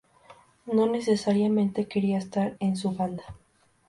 No necesariamente quería estar en su banda.